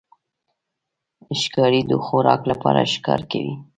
ښکاري د خوراک لپاره ښکار کوي.